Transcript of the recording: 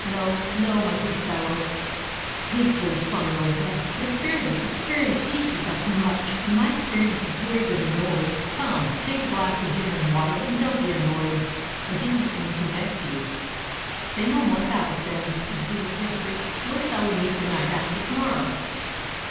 "No—no, my good fellow," hastily responded Old Death: "but experience—experience teaches us much; and my experience is greater than yours. Come—take a glass of gin and water, and don't be annoyed. I didn't mean to vex you." "Say no more about it, then," observed Jeffreys. "Where shall we meet the night after to morrow?"